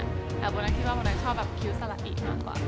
แต่บางคนคิดว่าบางคนชอบคิ้วสละอิมากกว่า